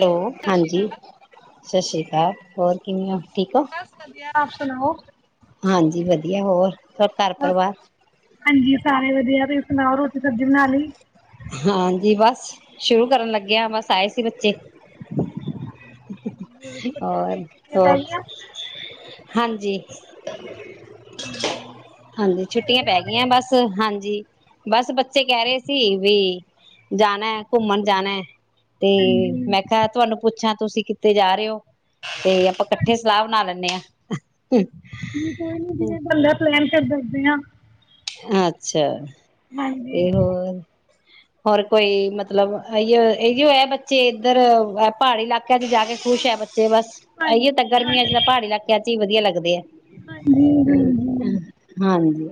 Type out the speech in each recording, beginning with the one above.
Hello. ਹਾਂਜੀ, ਸਤਿ ਸ਼੍ਰੀ ਕਾਲ। ਹੋਰ ਕਿਵੇਂ ਔ? ਕੀ ਠੀਕ ਔ? ਬਸ ਵਧੀਆ ਆਪ ਸੁਣਾਓ? ਹਾਂਜੀ ਵਧੀਆ। ਹੋਰ ਸਭ ਘਰ ਪਰਿਵਾਰ ਰੇ ਵਧੀਆ। ਤੁਸੀ ਸੁਣਾਔ, ਰੋਟੀ ਸਬਜ਼ੀ ਬਣਾ ਲਈ? ਹਾਂਜੀ ਬਸ ਸ਼ੁਰੂ ਕਰਨ ਲੱਗੇ ਆਂ। ਬਸ ਆਏ ਸੀ ਬੱਚੇ ਅੱਛਾ-ਅੱਛ ਔਰ ਹੋਰ ਹਾਂਜੀ ਹਾਂਜੀ ਹਾਂਜੀ ਛੁੱਟੀਆਂ ਖੇਲਦੇ ਪੈ ਹੋਣੇ। ਗਈਆਂ ਬਸ, ਹਾਂਜੀ। ਬਸ ਬੱਚੇ ਕੈ ਰੇ ਸੀ ਵੀ ਜਾਣੈ ਘੁੰਮਣ ਜਾਣੈ ਤੇ ਹਾਂਜੀ ਮੈਂ ਕਿਆ ਤੁਆਨੂੰ ਪੁੱਛਾਂ ਤੁਸੀ ਤੇ ਜਾ ਰੇ ਔ। ਤੇ ਆਪਾਂ ਕੱਠੇ ਸਲਾਹ ਬਣਾ ਲੈਣੇ ਆਂ। ਚਲ ਦੱਸਦੇ ਆਂ। ਅੱਛਾ। ਹਾਂਜੀ। ਤੇ ਹੋਰ ਹੋਰ ਕੋਈ ਮਤਲਬ ਅਈਔ ਏਈਔ ਐ ਬੱਚੇ ਇੱਧਰ ਵ ਪਾੜੀ ਇਲਾਕਿਆਂ ਚ ਜਾ ਕੇ ਖੁਸ਼ ਐ ਬੱ ਤੇ ਬਸ ਐਈਔ ਤਾਂ ਹਾਂਜੀ ਗਰਮੀਆਂ ਚ ਤਾਂ ਪਾੜੀ ਇਲਾਕਿਆਂ ਚ ਈ ਵਧੀਆ ਲਗਦੇ ਐ। ਹਾਂਜੀ ਹਾਂਜੀ, ਹਾਂਜੀ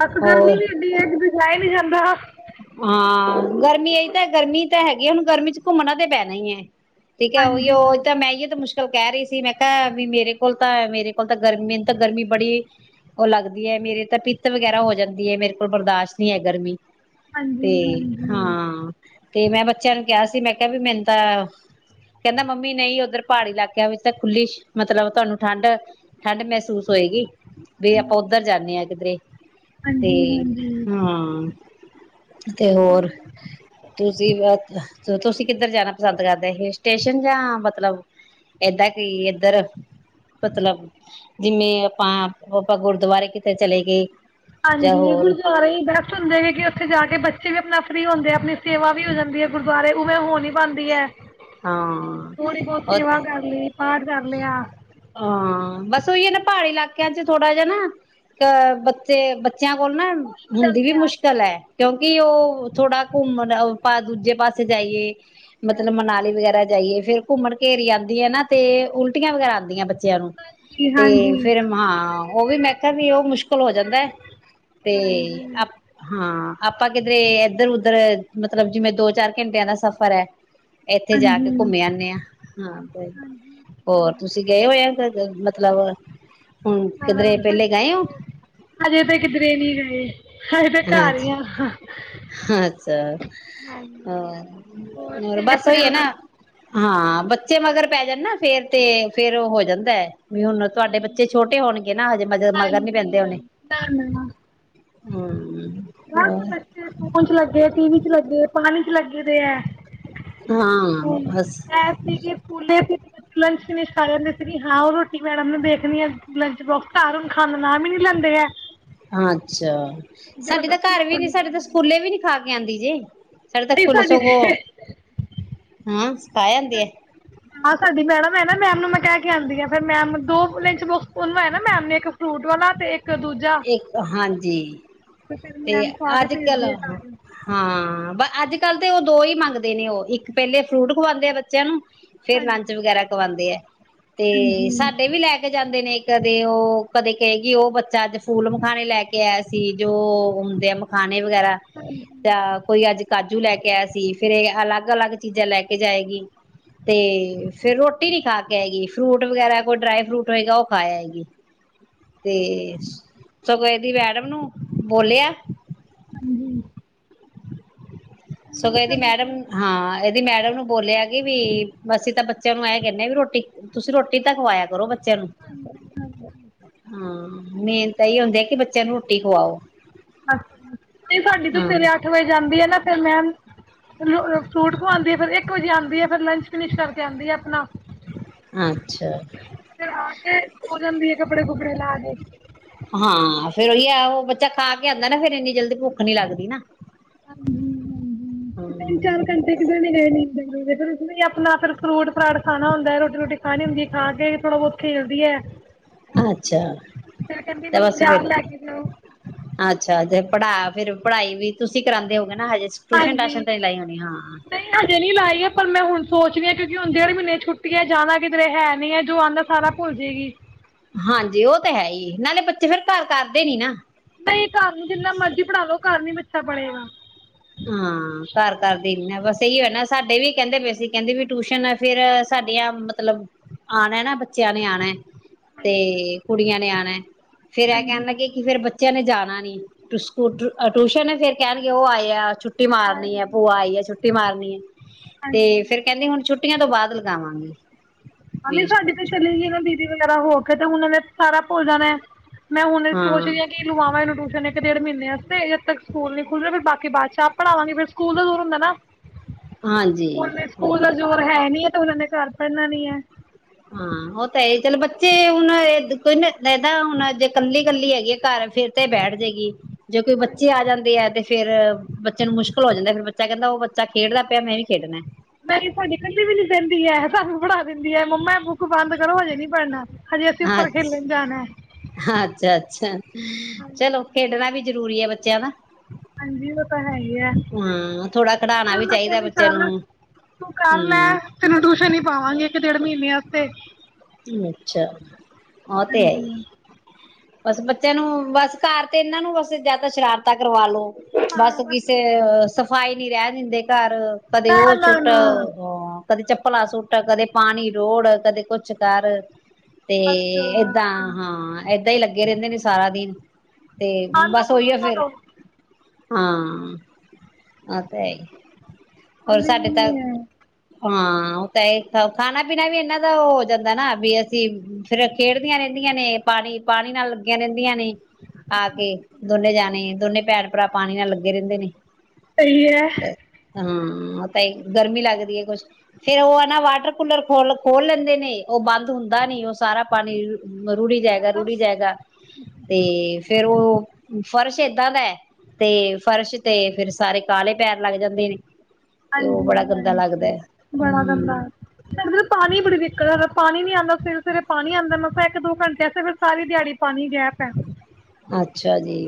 ਬਸ ਗਰਮੀ ਹੋਰ ਵੀ ਇਡੀ ਹੈ ਅੱਜ ਵਿਏ ਨੀ ਬ ਹਾਂ ਗਰਮੀ, ਇਹੀ ਤਾਂ ਗਰਮੀ ਤਾਂ ਹੈਗੀ ਹੈ। ਹੁਣ ਗਰਮੀ ਚ ਘੁੰਮਣਾ ਤੇ ਪੈਣਾ ਹੀ ਹੈ ਠੀਕ ਹੈ ਹਾਂਜੀ, ਉਹ ਤਾਂ ਮੈਂ ਆਈਏ ਤਾਂ ਮੁਸ਼ਕਿਲ ਚਲ ਕਹਿ ਰਹੀ ਸੀ। ਮੈਂ ਕਿਹਾ ਵੀ ਮੇਰੇ ਕੋਲ ਤਾਂ ਮੇਰੇ ਕੋਲ ਤਾਂ ਗਰਮੀ ਮੈਨੂੰ ਤਾਂ ਗਰਮੀ ਬੜੀ ਉਹ ਲੱਗਦੀ ਹੈ। ਮੇਰੇ ਤਾਂ ਪਿੱਤ ਵਗੈਰਾ ਹੋ ਜਾਂਦੀ ਹੈ, ਮੇਰੇ ਕੋਲ ਬਰਦਾਸ਼ਤ ਨਹੀਂ ਹੈ ਗਰਮੀ ਹਾਂਜੀ, ਤੇ ਹਾਂਜੀ, ਹਾਂ ਤੇ ਮੈਂ ਬੱਚਿਆਂ ਨੂੰ ਕਿਹਾ ਸੀ। ਮੈਂ ਕਿਹਾ ਵੀ ਮੈਨੂੰ ਤਾਂ ਕਹਿੰਦਾ ਮੰਮੀ ਨਹੀਂ ਉੱਧਰ ਪਹਾੜੀ ਇਲਾਕਿਆਂ ਵਿੱਚ ਤਾਂ ਖੁੱਲੀ, ਮਤਲਬ ਤੁਹਾਨੂੰ ਠੰਡ ਠੰਡ ਮਹਿਸੂਸ ਹੋਏਗੀ ਵੀ ਆਪਾਂ ਹਾਂਜੀ, ਉੱਧਰ ਜਾਂਦੇ ਹਾਂ ਕਿਧਰੇ ਤੇ ਹਾਂਜੀ। ਹਾਂਜੀ ਹਾਂ ਤੇ ਕੋਈ ਹੋਰ ਨੀ ਤੁਸੀ ਬ ਤੁਸੀਂ ਕਿੱਧਰ ਜਾਣਾ ਪਸੰਦ ਕਰਦੇ? ਇਹ ਸਟੇਸ਼ਨ ਜਾਂ ਮਤਲਬ ਏਦਾਂ ਕੀ ਏਧਰ ਮਤਲਬ ਜਿਵੇਂ ਆਪਾਂ ਗੁਰਦੁਆਰੇ ਕਿਤੇ ਚਲੇ ਗਏ। ਜਾਂ ਹਾਂਜੀ ਹੋਰ ਗੁਦੁਆਰੇ ਬੈਸਟ ਹੁੰਦੇ ਗ ਕਿ ਉੱਥੇ ਜਾ ਕੇ ਬੱਚੇ ਵੀ ਆਪਣਾ ਫਰੀ ਹੁੰਦੇ ਆ। ਆਪਣੀ ਸੇਵਾ ਵੀ ਹੋ ਜਾਂਦੀ ਹੈ ਗੁਰੂ ਬਾਰੇ ਉਵੇਂ [unintelligible] ਪਾਉਂਦੀ ਹੈ। ਹਾਂ। ਥੋੜ੍ਹੀ ਬਹੁਤ ਉਹ ਤੇ ਸੇਵਾ ਕਰ ਲਈ ਪਾਠ ਕਰ ਲਿਆ ਹਾਂ, ਬਸ ਹੀ ਨਾ ਪਹਾੜੀ ਇਲਾਕਿਆਂ ਚ ਥੋੜਾ ਜਿਹਾ ਨਾ ਅਹ ਬੱਚੇ। ਬੱਚਿਆਂ ਕੋਲ ਨਾ ਹੁੰਦੀ ਵੀ ਮੁਸ਼ਕਿਲ ਹੈ ਕਿਉਂਕਿ ਕਿ ਉਹ ਥੋੜਾ ਘੁੰਮਣ [unintelligible] ਦੂਜੇ ਪਾਸੇ ਜਾਈਏ ਹਾਂ ਮਤਲਬ ਮਨਾਲੀ ਵਗੈਰਾ ਜਾਈਏ ਫੇਰ ਘੁੰਮਣ ਘੇਰੀ ਆਉਂਦੀ ਹੈ। ਨਾ ਤੇ ਉਲਟੀਆਂ ਵਗੈਰਾ ਆਉਂਦੀਆਂ ਬੱਚੇ ਨੂੰ ਜੀ ਤੇ ਹਾਂਜੀ ਫਿਰ ਹਾਂ। ਉਹ ਵੀ ਮੈਂ ਕਿਹਾ ਵੀ ਉਹ ਮੁਸ਼ਕਿਲ ਹੋ ਜਾਂਦਾ ਤੇ ਹਾਂਜੀ ਹਾਂ ਆਪਾਂ ਕਿਧਰੇ ਇਧਰ ਉਧਰ। ਮਤਲਬ ਜਿਵੇਂ ਦੋ ਚਾਰ ਘੰਟਿਆਂ ਦਾ ਸਫ਼ਰ ਹੈ ਇੱਥੇ ਜਾ ਕੇ ਹਾਂਜੀ ਘੁੰਮੇ ਆਦੇ ਆਂ ਹਾਂ ਤੇ ਹੋਰ ਤੁਸੀਂ ਗਏ ਹੋਏ ਆ ਮਤਲਬ ਹੁਣ ਆਹ ਕਿਧਰੇ ਹਜੇ ਪਹਿਲੇ ਗਏ ਤੇ ਹੋ ਹਜੇ ਤੇ ਕਿਧਰੇ ਨਹੀਂ ਗਏ ਅਸੀ ਤੇ ਘਰ ਈ ਆ ਅੱਛਾ ਅੱਛਾ ਹ ਹੋਰ ਬਸ ਉਹੀ ਹੈ ਨਾ। ਹਾਂ ਬੱਚੇ ਮਗਰ ਪੈ ਜਾਂਦੇ ਨਾ ਫੇਰ ਤੇ ਫੇਰ ਹੋ ਜਾਂਦਾ ਹੈ ਵੀ ਹੁਣ ਤੁਹਾਡੇ ਬੱਚੇ ਛੋਟੇ ਹੋਣਗੇ [unintelligible] ਮਗਰ ਨੀ ਪੈਂਦੇ ਹੋਣੇ ਹਮ ਬਸ ਹੋ ਬੱਚੇ ਫੋਨ ਚ ਲੱਗੇ ਟੀ ਵੀ ਚ ਲੱਗੇ ਪਾਣੀ ਲੱਗਦੇ ਹੈ ਹਾਂ ਬਸ ਹੈਸ ਸੀਗੇ ਫੂਲੇ ਲੰਚ ਫਿਸ਼ ਖਦੇ ਸੀ ਹਾਂ ਰੋਟੀ ਮੈਡਮ ਨੂੰ ਦੇਖਣੀ ਆ ਲੰਚ ਬੋਕਸ ਘਰ ਹੁਣ ਖਾਣ ਨਾਮ ਹੀ ਨੀ ਲੈਂਦੇ ਹੈ ਅੱਛਾ ਸਾਡਡੀ ਤਾਂ ਜ਼ਬਰਦਸਤੀ ਘਰ ਵੀ ਨੀ ਖਵਾਉਣੀ ਸਾਡੇ ਪੈਂਦੀ ਤਾਂ ਹੈ ਸਕੂਲੇ ਵੀ ਨੀ ਖਾਗੇ ਕਦੀ ਜੀ ਸਾਡੇ ਤੱਕ ਨਹੀਂ ਪੁੁਲਿਸ ਸਾਡੀ ਹੋ ਗ ਤੇ ਹਾਂ ਸਖਾ ਜਾਂਦੀ ਹੈ ਹ ਹਾਂਡੀ ਮੈਡਮ ਹੈ ਨਾ ਮੈਮ ਨੂੰ ਮੈਂ ਕ ਕੇ ਆਂਦੀ ਹਾਂ ਫਿਰ ਮੈਮ ਦੋ ਲਿੰਚ ਬੋਕਸ ਉਹ ਹੈ ਨਾ ਮੈਮ ਨੇ ਇੱਕ ਫਰੂਟ ਵਾਲਾ ਤੇ ਇੱਕ ਦੂਜਾ ਇੱਕ ਹਾਂਜੀ ਫਿਰ ਤੇ ਮੈਮ ਖਵਾ ਕੇ ਅੱਜ ਕਲ ਭੇਜਦੀ ਆ ਸਾਰਿਆਂ ਹਾਂ ਅੱਜ ਕੱਲ ਤੇ ਉਹ ਦੋ ਹੀ ਮੰਗਦੇ ਨੇ ਉਹ ਇੱਕ ਪਹਿਲੇ ਫਰੂਟ ਖਵਾਉਂਦੇ ਆ ਬੱਚਿਆਂ ਨੂੰ ਫੇਰ ਨੂੰ ਲੰਚ ਵਗੈਰਾ ਕਰਵਾਉਂਦੇ ਆ ਤੇ ਹਾਂਜੀ ਸਾਡੇ ਵੀ ਲੈ ਕੇ ਜਾਂਦੇ ਨੇ ਕਦੇ ਉਹ ਕਦੇ ਕਹੇਗੀ ਉਹ ਬੱਚਾ ਅੱਜ ਫੂਲ ਮਖਾਣੇ ਲੈ ਕੇ ਆਇਆ ਸੀ ਜੋ ਆਉਂਦਿਆਂ ਮਖਾਨਣੇ ਵਗੈਰਾ ਹਾਂਜੀ ਜਾਂ ਕੋਈ ਅੱਜ ਕਾਜੂ ਲੈ ਕੇ ਆਇਆ ਸੀ ਫੇਿਰ ਇਹ ਅਲੱਗ ਅਲੱਗ ਚੀਜ਼ਾਂ ਲੈ ਕੇ ਜਾਏਗੀ ਤੇ ਫੇਿਰ ਰੋਟੀ ਨੀ ਖਾ ਕੇ ਆਏਗੀ ਫਰੂਟ ਵਗੈਰਾ ਕੋਈ ਡਰਾਈ ਫਰੂਟ ਹੋਏਗਾ ਉਹ ਖਾ ਆਏਗੀ ਤੇ ਸਗੋਂ ਇਸਦੀ ਮੈਡਮ ਨੂੰ ਬੋਲਿਆ ਹਾਂਜੀ ਸ ਇਹਦੀ ਮੈਡਮ ਨੂੰ ਬੋਲਿਆ ਕਿ ਵੀ ਅਸੀਂ ਤਾਂ ਬੱਚਿਆਂ ਨੂੰ ਐ ਕਹਿੰਦੇ ਹ ਵੀ ਰੋਟੀ ਤੁਸੀਂ ਰੋਟੀ ਤਾਂ ਖਵਾਇਆ ਕਰੋ ਬ ਹਾਂ ਹਾਂ [inaudible] [inaudible] ਹਾਂ ਮੇਨ ਤਾਂ ਇਹਹੀ ਹੁੰਦੀ ਹੈ ਕਿ ਬੱਚਿਆਂ ਨੂੰ ਰੋਟੀ ਖਵਾਓ ਅ ਤੇ ਸਾਡੀ ਤੇ ਸਵੇਰੇ ਹਾਂ ਅੱਠ ਵਜੇ ਜਾਂਦੀ ਏ ਨੇ ਫਿਰ ਮੈਮ ਰੋ ਰੋ ਰ ਫਰੂਟਖਵਾਉਂਦੀ ਏ ਫਿਰ ਇੱਕ ਵਜੇ ਆਉਂਦੀ ਫਿਰ ਲੰਚ ਫਿਨਿਸ਼ ਕਰਕੇ ਆਉਂਦੀ ਆ ਆਪਣਾ ਅੱਛਾ ਫਿਰ ਆ ਕੇ ਸੋ ਜਾਂਦੀ ਹੈ ਕੱਪੜੇ ਕੁਪੜੇ ਲਾ ਕੇ ਹ ਹਾਂ ਫੇਰ ਉਹੀ ਆ ਉਹ ਬੱਚਾ ਖਾ ਕੇ ਆਉਂਦਾ ਨਾ ਫੇਿਰ ਇੰਨੀ ਜਲਦੀ ਭੁੱਖ ਨੀ ਲੱਗਦੀ ਨਾ ਹਾਂਜੀ ਹ [inaudible] ਤਿੰਨ ਹਮ ਚਾਰ ਘੰਟੇ ਕਿਤੇ ਗਏ ਨੀ ਫ ਆਪਣਾ ਫਿਰ ਫਰੂਟ ਫਰਾਟ ਖਾਣਾ ਹੁੰਦਾ ਹੈ ਰੋਟੀ ਰੋਟੀ ਖਾਣੀ ਹੁੰਦੀ ਹੈ ਖਾ ਕੇ ਥੋੜਾ ਬਹੁਤ ਖੇਲਦੀ ਏ ਅੱਛਾ ਤੇ ਬਸ ਬਾਜ਼ਾਰ ਫਿਰ ਲੈ ਕੇ ਜਾਓ ਅੱਛਾ ਤੇ ਪੜ੍ਹਾ ਫਿਰ ਪੜ੍ਹਾਈ ਵੀ ਤੁਸੀਂ ਕਰਾਉਂਦੇ ਹੋ ਹਾਂਜੀ ਨਹੀਂ ਹਜੇ ਨਹੀਂੀ ਲਾਈ ਹੈ ਪਰ ਮੈਂ ਹੁਣ ਸੋਚਨੇ ਆ ਕਿਉਕਿ ਹੁਣ ਡੇਢ ਮਹੀਨੇ ਦੀ ਆ ਛੁੱਟੀਆ ਜਿਆਦਾ ਏ ਕਿਧਰੇ ਹੈ ਨੀ ਹੈ ਜੋ ਆਉਂਦਾ ਸਾਰਾ ਭੁੱਲ ਜਾਏਗੀ ਹਾਂਜੀ ਉਹ ਤਾਂ ਹੈ ਹੀ ਨਾਲੇ ਬੱਚੇ ਫੇਰ ਘਰ ਕਰਦੇ ਨੀ ਨਾ ਨਹੀਂ ਘਰ ਨੂੰ ਜਿੰਨਾ ਮਰਜ਼ੀ ਪੜ੍ਹਾ ਲੋ ਘਰ ਨਹੀਂ ਬਚੇ ਤੇ ਇਹ ਬੜਾ ਹਾਂ ਘਰ ਘਰ ਬਸ ਇਹੀ ਹੋ ਨਾ ਸਾਡੇ ਵੀ ਕਹਿੰਦੇ ਵੀਸੀਂ ਕਹਿੰਦੇ ਵੀ ਟਿਊਸ਼ਨ ਫੇਿਰ ਸਾਡੀਆਂ ਮਤਲਬ ਆਉਣਾ ਨਾ ਬੱਚਿਆਂ ਨੇ ਆਉਣਾ ਹਾਂਜੀ ਤੇ ਕੁੜੀਆਂ ਨੇ ਆਉਣਾ ਫੇਰ ਇਹ ਕਹਿਣ ਹਾਂਜੀ ਲੱਗੇ ਕਿ ਫੇਿਰ ਬੱਚ ਬੱਚਿਆਂ ਨੇ ਜਾਣਾ ਨੀ ਸਕੂ ਟਿਊਸ਼ਨ ਨੇ ਫੇਿਰ ਕਹਿਣਗੇ ਉਹ ਆਏ ਆ ਛੁੱਟੀ ਮਾਰਨੀ ਹੈ ਹਾਂਜੀ ਭੂਆ ਆਈ ਹੈ ਛੁੱਟੀ ਮਾਰਨੀ ਹਮ ਤੇ ਫਿਰ ਕਹਿੰਦੀ ਹੁਣ ਛੁੱਟੀ ਛੁੱਟੀਆਂ ਤੋਂ ਬਾਅਦ ਲਗਾਵਾਂਗੇ ਮੰਮੀ ਸਾਡੀ ਤੇ ਚਲੀ ਗਈ ਨਾ ਬੀਬੀ ਵਗੈਰਾ ਹੋ ਕੇ ਤੇ ਹੁਣ ਇਹ ਸਾਰਾ ਭੁੱਲ ਜਾਣਾ ਮੈਂ ਹੁਣ ਸੋਚ ਰਹੀ ਹਾਂ ਕਿ ਲਗਾਵਾਂ ਇਹਨੂੰ ਇੱਕ ਡੇਢ ਮਹੀਨੇਾਸਤੇ ਜਦ ਤੱਕ ਸਕੂਲ ਨ ਖੁੱਲ ਰਿਹਾ ਫੇਰ ਬਾਕੀ ਬਾਦ ਚ ਆਪ ਪੜਾਵਾਂਗੇ ਫਿਰ ਸਕੂਲ ਦਾ ਦੂਰ ਹੁੰਦਾ ਨਾ ਹਾਂਜੀ ਹ ਸਕੂਲ ਮਤਲਬ ਜੋਰਹੈ ਨੀ ਤੇ ਉਹ ਨੇ ਘਰ ਪੜ੍ਨਾ ਨਹੀਂ ਹ ਹਾਂ ਉਹ ਤਾਂ ਇਹ ਚੱਲ ਬੱਚੇ ਹੁਣ ਕੋਈਦਾ ਹੁਣ ਜੇ ਕੱਲੀ ਕੱਲੀ ਹੈਗੀ ਘਰ ਫਿਰ ਤੇ ਬੈਠ ਜਏਗੀ ਜੇ ਕੋਈ ਬੱਚੇ ਆ ਜਾਂਦੇ ਹੈ ਤੇ ਫੇਰ ਬੱਚੇ ਨੂੰ ਮੁਸ਼ਕਿਲ ਹੋ ਜਾਂਦਾ ਫੇਿਰ ਬੱਚਾ ਕਹਿੰਦਾ ਉਹ ਬੱਚਾ ਖੇਡਦਾ ਪਿਆ ਮੈਂ ਵੀ ਖੇਡਣਾ ਨਹੀਂ ਤੁਹਾਡੇ ਇਕੱਲੀ ਵੀ ਨੀ ਦਹਿੰਦੀ ਹੈ ਸਾਨੂੰ ਪੜ੍ਹਾ ਦਿੰਦੀ ਹੈ ਮੰਮਾ ਬੁੱਕ ਬੰਦ ਕਰੋ ਹਜੇ ਨਹੀਂੀ ਪੜ੍ਹਨਾ ਹਜੇ ਅਸੀਂ ਉੱਪਰ ਅੱ ਖੇਲਣ ਜਾਣਾ ਹੈ ਅੱਛਾ ਅੱਛਾ ਚਲੋ ਖੇਡਣਾ ਵੀ ਜ਼ਰੂਰੀ ਹੈ ਬੱਚਿਆਂ ਦਾ ਹਾਂਜੀ ਉਹ ਤਾਂ ਹੈ ਹੀ ਹੈ ਹਾਂ ਥੋੜਾ ਖਿਡਾਣਾ ਚ ਵੀ ਮੈਂ ਚਾਹੀਦਾ ਕਹਦੀ ਬੱਚੇ ਚੱਲ ਨੂੰ ਤੂੰ ਕਰ ਲੈ ਹਮ ਤੈਨੂੰ ਟਿਊਸ਼ਨ ਹੀ ਪਾਵਾਂਗੀ ਇੱਕ ਡੇੜ ਮਹੀਨੇ ਵਾਸਤੇ ਅੱਛਾ ਹਾਂ ਤੇ ਹੈਏ ਹਾਂਜੀ ਬਸ ਬੱਚਿਆਂ ਨੂੰ ਬਸ ਘਰ ਤੇ ਇਹਨਾਂ ਨੂੰ ਬਸ ਜਿਆਦਾ ਸ਼ਰਾਰਤਾਾਂ ਕਰਵਾ ਲੋੋ ਬਸ ਕਿਸਸੇ ਸ ਸਫਾਈ ਨੀ ਰਹਿ ਦਿੰਦੇ ਘਰ ਕਦੇ ਨਾ ਉਹ ਨਾ ਸੁੱਟ ਨਾ ਕਦੇ ਚੱਪਲਾਂ ਸੁੱਟ ਕਦੇ ਪਾਣੀ ਰੋੜ ਕਦੇ ਕੁਛ [unintelligible] ਆਹ ਕਰ ਤੇ ਅੱਛਾ ਏਦਾਂ ਅੱਛਾ ਹਾਂ ਏਦਾਂ ਹੀ ਲੱਗੇ ਰਹਿੰਦੇ ਨੇ ਸਾਰਾ ਦਿਨ ਆਲੂ ਬਸ ਕੁਛ ਉਹੀ ਨਾ ਫਿਰ ਦੋ [unintelligible] ਅੰਮੇ ਨ ਹਾਂ ਉਹ ਤਾਂ ਇਹ ਖਾਣਾ ਪੀਣਾ ਵੀ ਇਹਨਾਂ ਦਾ ਉਹ ਜਾਂਦਾ ਨਾ ਵੀ ਅਸੀਂ ਫਿਰ ਖੇਡਦੀਆਂ ਰਹਿੰਦੀਆਂ ਨੇ ਪਾਣੀ ਪਾਣੀ ਨਾਲ ਰਹਿੰਦੀਆਂ ਨੇ ਆ ਕੇ ਦੋਨੇ ਜਾਣੇ ਦੋਨੇ ਭੈਣ ਭਰਾ ਪਾਣੀ ਨਾਲ ਲੱਗੇ ਰਹਿੰਦੇ ਨੇ ਸਹੀ ਹੈ। ਹਾਂ ਤਾਂ ਗਰਮੀ ਲੱਗਦੀ ਹੈ ਕੁਛ ਫੇਰ ਉਹ ਹੈ ਨਾ ਵਾਟਰ ਕੂਲਰ ਖੋਲ ਖੋਲ ਲੈਂਦੇ ਨੇ ਉਹ ਬੰਦ ਹੁੰਦਾ ਨੀ ਉਹ ਸਾਰਾ ਪਾਣੀ ਮਰੂਡੀ ਜਾਏਗਾ ਰੂੜੀ ਜਾਏਗਾ ਤੇ ਫਿਰ ਉਹ ਫਰਸ਼ ਏਦਾਂ ਦਾ ਤੇ ਫਰਸ਼ ਤੇ ਫਿਰ ਸਾਰੇ ਕਾਲੇ ਪੈਰ ਲੱਗ ਜਾਂਦੇ ਨੇ ਤੇ ਉਹ ਬੜਾ ਹਾਂਜੀ ਗੰਦਾ ਲੱਗਦਾ ਹਾਂਜੀ ਬੜਾ ਗੰਦਾ ਹਮ ਸਾਡ ਪਾਣੀ ਬੜੀ ਦਿੱਕਤ ਆ ਪਾਣੀ ਨੀ ਆਂ ਸਵੇਰੇ ਸਵੇਰੇ ਪਾਣੀ ਆਉਂਦਾ ਮਸ ਇੱਕ ਦੋ ਘੰਟੇੇ ਫਿਰ ਸਾਰੀ ਦਿਹਾੜੀ ਪਾਣੀ ਗੈਪ ਹੈ ਅੱਛਾ ਜੀ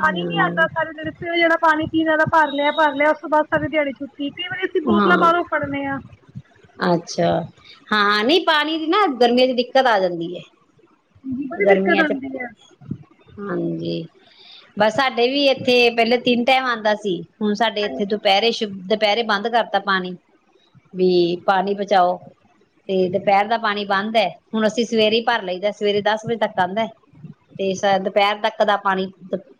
ਪਾਣੀ ਨੀ ਆਉਂਦਾ ਸੂੰ ਜਿਹੜਾ ਪਾਣੀ ਪੀਣ ਵਾਲ ਭਰ ਲਿਆ ਭਰ ਲਿਆ ਉਸ ਤੋਂ ਬਾਅਦ ਸਾਰੀ ਦਿਹਾੜੀ ਛੁੱਟੀ ਕਈ ਵਾਰੀ ਅਸੀਂ ਬੋਤਲਾਂ ਹਾਂ ਬਾਹਰੋਂ ਫੜਨੇ ਆ ਅੱਛਾ ਹਾਂ ਨ ਪਾਣੀ ਦੀ ਨਾ ਗਰਮੀਆਂ ਚ ਦਿੱਕਤ ਆ ਜਾਂਦੀ ਹੈ ਹ ਜ ਬੜੀ ਦਿੱਕਤ ਗਰਮੀਆਂ ਚ ਆਉਂਦੀ ਹੈ ਹਾਂਜੀ ਬਸ ਸਾਡੇ ਵੀ ਇੱਥੇ ਪਹਿਲੇ ਤਿੰਨ ਟਾਈਮ ਆਉਂਦਾ ਸੀ ਹੁਣ ਸਾਡੇ ਇੱਥੇ ਦੁਪਹਿਰੇ ਸ਼ੁਧ ਦੁਪਹਿਰੇ ਬੰਦ ਕਰਤਾ ਪਾਣੀ ਵੀ ਪਾਣੀ ਪਚਾਓ ਤੇ ਦੁਪਹਿਰ ਦਾ ਪਾਣੀ ਬੰਦ ਹੈ ਹੁਣ ਅਸੀਂ ਸਵੇਰੇ ਹੀ ਭਰ ਲਈਦਾ ਸਵੇਰੇ ਦਸ ਵਜੇ ਤੱਕ ਆਉਂਦਾ ਤੇ ਦੁਪਹਿਰ ਤੱਕ ਦਾ ਪਾਣੀ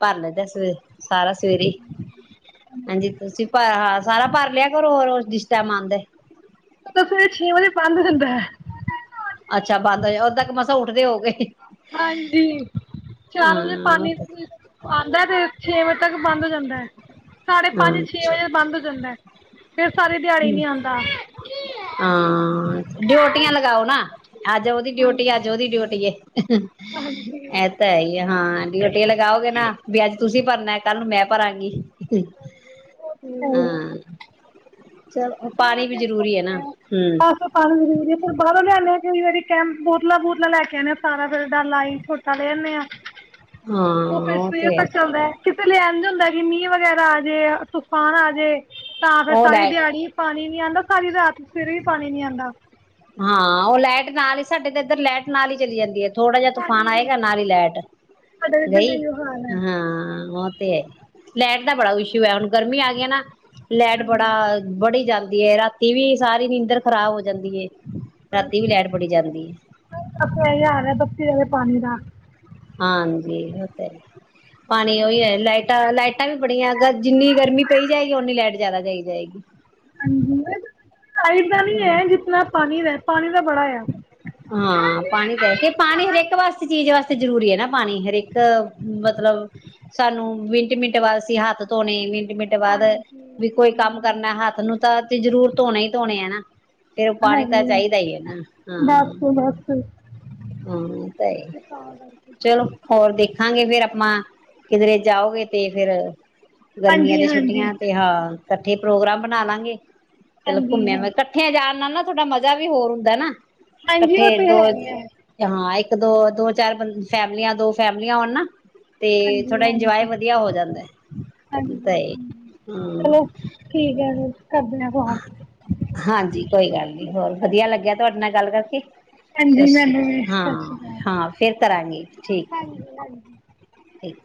ਭਰ ਲੈਂਦਾ ਸਵੇ ਸਾਰਾ ਸਵੇਰੇ ਹਾਂਜੀ ਤੁਸੀਂ ਪਾਇਆ ਹ ਸਾਰਾ ਭ ਲਿਆ ਕਰ ਰੋ ਰੋਜ਼ ਰਿਸ਼ਟਾ ਮੰਨਦੇ ਸਵੇਰੇ ਛੇ ਵਜੇ ਪੰਜ ਹਦਾ ਹੈ ਅੱਛਾ ਬੰਦ ਹੋ ਉਓਦਾਂੱਕ ਮਸਾਂ ਉੱਠਦੇ ਹੋ ਗਏ ਹਾਂਜੀ ਚਾਰ ਵਜੇ ਹਾਂ, ਪਾਣੀ ਆਉਂਦਾ ਤੇ ਛੇ ਵਜੇ ਤੱਕ ਬੰਦ ਹੋ ਜਾਂਦਾ ਹੈ ਸਾਢੇ ਪੰਜ ਛੇ ਅੱਛਾ। ਵਜੇ ਬੰਦ ਹੋ ਜਾਂਦਾ ਹੈ ਫੇਰ ਸਾਰੀ ਦਿਹਾੜੀ ਨੀ ਆਉਂਦਾ। ਹਾਂ ਡਿਊਟੀਆਂ ਲਗਾਓ ਨਾ ਅੱਜ ਉਹਦੀ ਡਿਊਟੀ ਅੱਜ ਉਹਦੀ ਡਿਊਟੀ ਇਹ ਤਾਂ ਹੀ ਆ ਹਾਂ ਡਓਟੀ ਲਗਾਓਗੇ ਨਾ ਵੀ ਅੱਜ ਤੁਸੀਂ ਭਰਨਾ ਕੱਲ ਨੂੰ ਮੈਂ ਭਾਂਗੀ ਹਾਂ ਚਲੋ ਨਾ ਪਾਣੀ ਵੀ ਜ਼ਰੂਰੀ ਹੈ ਨਾ ਬਿਲੁਲ ਹੂੰ। ਬਸ ਪਾਣੀ ਜ਼ਰੂਰੀ ਹੈ, ਫਿਰ ਬਾਹਰੋਂ ਲਿਆਂਦੇ ਆਂ ਕਈ ਵਾਰੀ ਕੈਂ ਬੋਤਲਾਂ ਬੁਤਲਾਂ ਲੈ ਕੇ ਆਣੇਂ ਸਾਰਾ ਫਿਰ ਡੱਲ ਲ ਆਈ ਛੋਟਾ ਲੈ ਆਦੇੇਂ ਆਂ। ਉਹ ਹਾਂ, ਫਿਰ ਸ ਇਹ ਤੇ ਪਰ ਚੱਲਦਾ ਕਿ ਲਿਆਣ ਹੁੰਦਾ ਕਿ ਮੀਂਹ ਵਗੈਰਾ ਆ ਜੇ ਤੂਫਾਨ ਆਜੇ ਤਾਂ ਫੇਰ ਉਹ ਸਾਰੀ ਲੈ ਦਿਹਾੜੀ ਣੀ ਨੀ ਆਂਦਾ ਘਾਰੀ ਰਾਤ ਫਿਰ ਵੀ ਪਾਣੀ ਨੀ ਆਂਦਾ। ਹਾਂ, ਉਹ ਲਾਈਟ ਨਾਲ ਹੀ ਸਾਡੇ ਤਾਂ ਇੱਧਰ ਲੈਟ ਨਾਲ ਹੀ ਚਲੀ ਜਾਂਦੀ ਹੈ। ਥੋੜਾ ਜਿ ਤੂਫਾਨ ਸਾਡੀ ਵੀ ਆਏਗਾ ਨਾਲ ਹੀ ਲਾਈਟ ਸਾਡੇ ਇੱਧਰ ਦਾ ਗਈ ਇਹੋ ਹਾਲ ਹੈ। ਹਾਂ, ਉਹ ਤੇ ਹੈ ਲਾਈਟ ਦਾ ਬੜਾ ਇਸ਼ੂ ਹੈ, ਹੁਣ ਗਰਮੀ ਆ ਗਈ ਨਾ ਲੈਟ ਬੜਾ ਬੜੀ ਜਆਦਾ ਤੇ ਰਾਤੀ ਵੀ ਸਾਰੀ ਨੀੰਦਰ ਖ਼ਰਾਬ ਹੋ ਜਾਂਦੀ ਏ। ਆਪਣੇ ਯਾਰ ਹੈ ਬਪੀ ਦਾ ਪਾਣੀ ਦਾ ਹਾਂਜੀ, ਉਹ ਤੇ ਪਾਣੀ ਉਹੀ ਹੈ ਲਾਈਟਾਂ- ਲਾਈਟਾਂ ਵੀ ਬੜੀਆਂ ਜਿੰਨੀ ਗਰਮੀ ਪਈ ਜਾਏਗੀ, ਓਨੀ ਲਾਈਟ ਜ਼ਿਆਦਾ ਗਈ ਜਾਏਗੀ ਹਾਂਜੀ [inaudible] ਸਾਈਡ ਦਾ ਨੀ ਹੈ ਜਿਤਨਾ ਪਾਣੀ ਰਹਿੰ ਪਾਣੀ ਦਾ ਬੜਾ ਆ। ਹਾਂ ਪਾਣੀ ਤਾਂ ਹੈ ਕੇ ਪਾਣੀ ਹਰੇਕ ਵਾਸਤੇ ਚੀਜ਼ ਵਾਸਤੇ ਜਰੂਰੀ ਹੈ ਨਾ ਪਾਣੀ ਹਰੇਕ ਮਤਲਬ ਸਾਨੂੰ ਮਿੰਟ- ਮਿੰਟ ਬਾਅਦ ਅਸੀਂ ਹੱਥ ਧੋਣੇ ਮਿੰ ਮਿੰਟ ਬਾਅਦ ਹਾਂਜੀ ਵੀ ਕੋਈ ਕੰਮ ਹਾਂਜੀ ਕਰਨਾ ਹੱਥ ਨੂੰ ਤਾਂ ਤੇ ਜਰੂਰ ਧੋਣੇ ਹੀ ਧੋਣੇ ਆ ਨਾ। ਫਿਰ ਉਹ ਪਾਣੀ ਤਾਂ ਚਾਹੀਦਾ ਹੀ ਹੈ, ਨਾ ਬਸ ਹਾਂ ਬਸ ਤੇ ਹਾਂ, ਉਹ ਤਾਂ ਹੀ ਚਲੋ ਹੋਰ ਦੇਖਾਂਗੇ ਫੇਰ ਫਿਰ ਆਪਾਂ ਕਿਧਰੇ ਜਾਓਗੇ ਤੇ ਫਿਰ ਗਰਮੀਆਂ ਹਾਂਜੀ ਦੀ ਹਾਂਜੀ ਛੁੱਟੀਆਂ ਤੇ ਹਾਂ। ਇਕੱਠੇ ਪ੍ਰੋਗਰਾਮ ਬਣਾਲਾਂਗੇ। ਚਲੋ ਹਾਂਜੀ ਘੁੰਮਿਆ ਹਾਂ ਮੈਂ ਇਕੱਠਿਆਂ ਜਾਣ ਨਾਲ ਨਾ ਥੋੜਾ ਮਜ਼ਾ ਵੀ ਹੋਰ ਹੁੰਦਾ ਨਾ ਹਾਂਜੀ ਇਕੱਠੇ ਉਹ ਤੇ ਦੋ ਹੈ ਹੀ ਹੈ ਹਾਂ ਇੱਕ ਦੋ- ਦੋ ਚਾਰ ਫੈਮਲੀਆਂ ਦੋ ਫੈਮਲੀਆਂ ਹੋਣ ਨਾ ਤੇ ਹਾਂਜੀ ਥੋੜਾ ਹਾਂਜੀ ਇੰਜੋਆਏ ਹਾਂਜੀ ਵਧੀਆ ਹੋ ਜਾਂਦਾ, ਤੇ ਹਾਂਜੀ ਹੂੰ ਚਲੋ ਠੀਕ ਹੈ ਫਿਰ ਕਰਦੇ ਹਾਂ ਕਾਲ ਹਾਂਜੀ ਕੋਈ ਗੱਲ ਨੀ ਠੀਕ ਹੈ ਹੋਰ ਸਤਿ ਵਧੀਆ ਸ਼੍ਰੀ ਲੱਗਿਆ ਅਕਾਲ ਤੁਹਾਡੇ ਨਾਲ ਗੱਲ ਕਰਕੇ ਹਾਂਜੀ ਸਸ ਰੀ ਮੈਨੂੰ ਵੀ ਅਕਾਲ ਸਤਿ ਸ਼੍ਰੀ ਹਾਂ ਅਕਾਲ ਹਾਂ ਫਿਰ ਕਰਾਂਗੀ ਠੀਕ ਇੱਕ